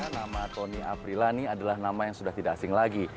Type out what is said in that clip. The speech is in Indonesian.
nama tony aprilani adalah nama yang sudah tidak asing lagi